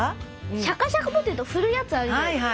シャカシャカポテト振るやつあるじゃないですか。